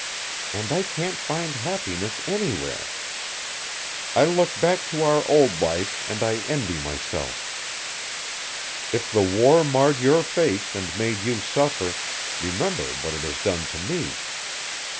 And I can't find happiness anywhere. I look back to our old life and I envy myself. If the war marred your face and made you suffer, remember what it has done to me.